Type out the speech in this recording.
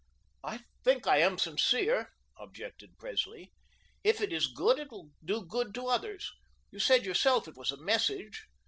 "I think I am sincere," objected Presley. "If it is good it will do good to others. You said yourself it was a Message.